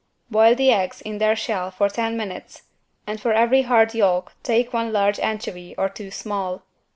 Boil the eggs in their shell for ten minutes and for every hard yolk take one large anchovy or two small.